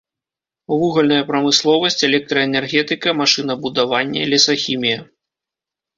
Вугальная прамысловасць, электраэнергетыка, машынабудаванне, лесахімія.